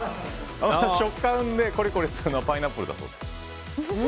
食感でコリコリするのはパイナップルだそうです。